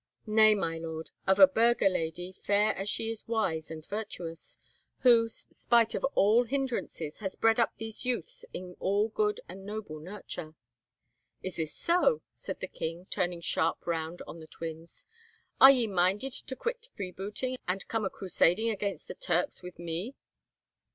"Nay, my lord, of a burgher lady, fair as she is wise and virtuous; who, spite of all hindrances, has bred up these youths in all good and noble nurture." "Is this so?" said the king, turning sharp round on the twins. "Are ye minded to quit freebooting, and come a crusading against the Turks with me?"